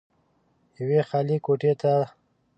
يوې خالې کوټې ته